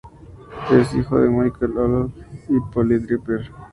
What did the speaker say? Es hijo de Michael Wolff y Polly Draper.